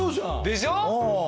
でしょ？